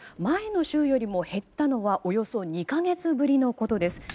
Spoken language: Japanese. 前の週よりも減ったのはおよそ２か月ぶりのことです。